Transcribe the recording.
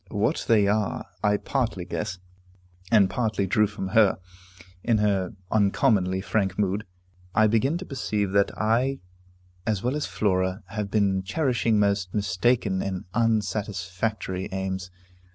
What they are, I partly guess, and partly drew from her, in her uncommonly frank mood. I begin to perceive that I, as well as Flora, have been cherishing most mistaken and unsatisfactory aims.